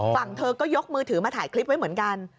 เธอก็ยกมือถือมาถ่ายคลิปไว้เหมือนกัน